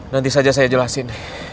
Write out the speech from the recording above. nanti saja saya jelasin